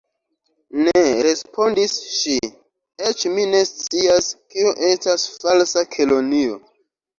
"Ne," respondis ŝi, "eĉ mi ne scias kio estas Falsa Kelonio."